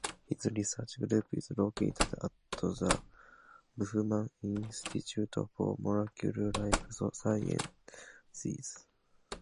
His research group is located at the Buchmann Institute for Molecular Life Sciences.